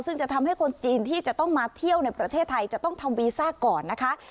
ซึ่งจะทำให้คนจีนที่จะต้องมาเที่ยวในประเทศไทยจะต้องทำวีซ่าก่อนนะคะ